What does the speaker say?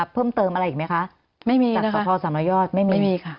เพิ่มเติมอะไรอีกไหมคะ